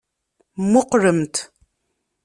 Mmuqqlemt.